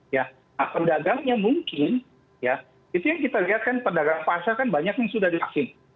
nah pedagangnya mungkin ya itu yang kita lihat kan pedagang pasar kan banyak yang sudah divaksin